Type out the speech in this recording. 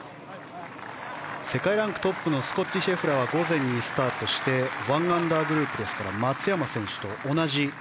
世界ランクトップのスコッティー・シェフラーは午前にスタートして１アンダーグループですから松山選手と同じ。